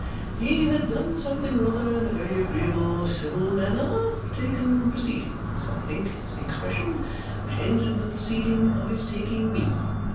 He had done something or other in a very agreeable, civil manner taken proceedings, I think, is the expression which ended in the proceeding of his taking ME.